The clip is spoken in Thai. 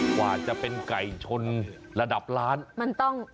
กว่าจะเป็นไก่ชนระดับล้านมันต้อง